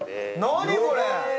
何これ！？